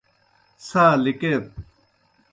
څھا لِکیت۔